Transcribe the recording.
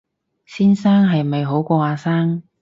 先生係咪好過阿生